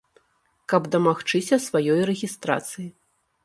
Каб дамагчыся сваёй рэгістрацыі.